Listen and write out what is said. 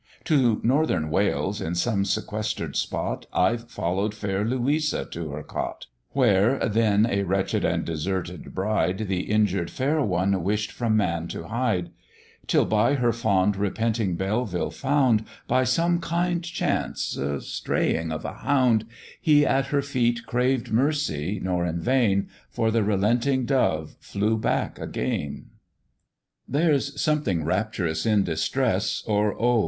To Northern Wales, in some sequester'd spot, I've follow'd fair Louisa to her cot: Where, then a wretched and deserted bride, The injur'd fair one wished from man to hide; Till by her fond repenting Belville found, By some kind chance the straying of a hound, He at her feet craved mercy, nor in vain, For the relenting dove flew back again. There's something rapturous in distress, or oh!